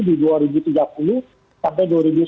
di dua ribu tiga puluh sampai